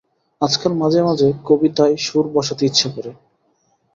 আজকাল মাঝে মাঝে কবিতায় সুর বসাতে ইচ্ছে করে।